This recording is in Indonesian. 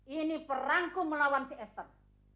ini perangku melawan si esther